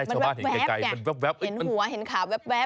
เห็นหัวเห็นขาวแวบ